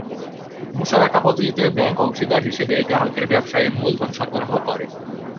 মুশারাকা পদ্ধতিতে ব্যাংক অংশীদার হিসেবে গ্রাহকের ব্যবসায়ে মূলধন সরবরাহ করে।